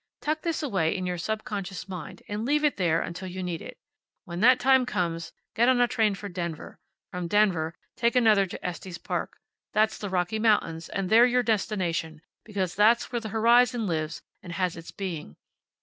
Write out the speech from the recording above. Tuck this away in your subconscious mind, and leave it there until you need it. When that time comes get on a train for Denver. From Denver take another to Estes Park. That's the Rocky Mountains, and they're your destination, because that's where the horizon lives and has its being.